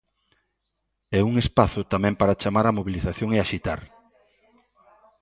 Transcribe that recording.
E un espazo tamén para chamar á mobilización e axitar.